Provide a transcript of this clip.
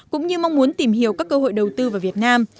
cũng như mong muốn tìm hiểu các cơ hội đầu tư vào việt nam